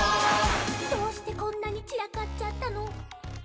「どうしてこんなにちらかっちゃったの？」